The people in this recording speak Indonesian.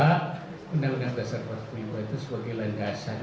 undang undang seribu sembilan ratus empat puluh lima itu sebagai landasan